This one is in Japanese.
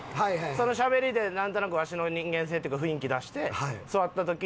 そのしゃべりでなんとなくわしの人間性っていうか雰囲気出して。